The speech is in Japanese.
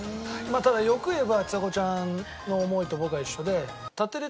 ただ欲を言えばちさ子ちゃんの思いと僕は一緒で。